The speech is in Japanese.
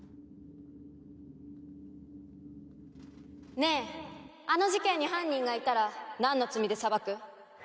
ねえあの事件に犯人がいたらなんの罪で裁く？